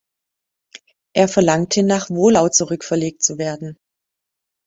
Er verlangte, nach Wohlau zurückverlegt zu werden.